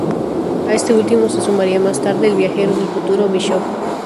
A este último se sumaria más tarde el viajero del futuro Bishop.